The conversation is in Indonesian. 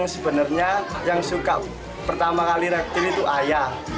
sebenarnya yang suka pertama kali reaktif itu ayah